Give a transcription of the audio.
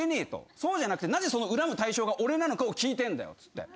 そうじゃなくてなぜその恨む対象が俺なのかを聞いてんだよっつって。